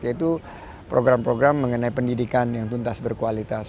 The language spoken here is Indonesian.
yaitu program program mengenai pendidikan yang tuntas berkualitas